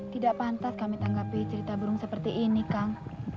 tidak pantas kami tanggapi cerita burung seperti ini kang